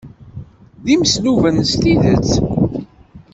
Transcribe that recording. D imesluben s tidet.